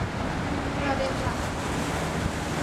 ประเด็นหลัก